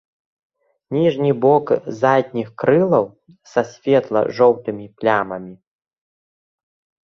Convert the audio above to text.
Ніжні бок задніх крылаў са светла-жоўтымі плямамі.